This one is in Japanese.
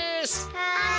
はい！